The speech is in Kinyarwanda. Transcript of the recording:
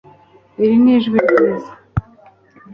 Iri ni ijwi ryiza